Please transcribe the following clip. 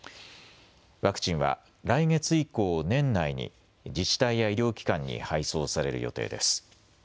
ワクチンは来月以降、年内に自治体や医療機関に配送される予定です。